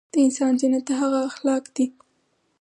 دانسان زينت دهغه اخلاق دي